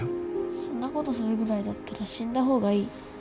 そんなことするぐらいだったら死んだ方がいい。